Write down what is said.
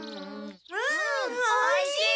うんおいしい！